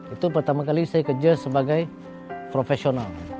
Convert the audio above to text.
itu pertama kali saya kerja sebagai profesional